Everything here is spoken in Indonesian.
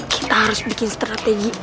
kita harus bikin strategi